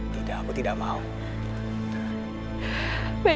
tidak aku tidak mau melihat wajahmu lagi